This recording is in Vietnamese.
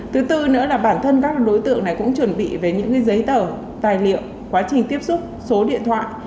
thứ tư nữa là bản thân các đối tượng này cũng chuẩn bị về những giấy tờ tài liệu quá trình tiếp xúc số điện thoại